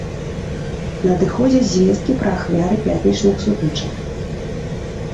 Надыходзяць звесткі пра ахвяры пятнічных сутычак.